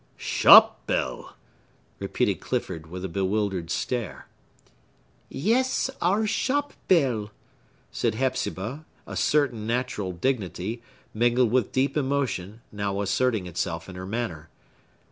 "Shop bell!" repeated Clifford, with a bewildered stare. "Yes, our shop bell," said Hepzibah, a certain natural dignity, mingled with deep emotion, now asserting itself in her manner.